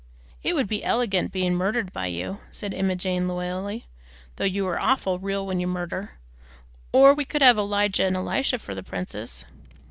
"It would be elergant being murdered by you," said Emma Jane loyally, "though you are awful real when you murder; or we could have Elijah and Elisha for the princes."